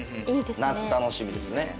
いいですね。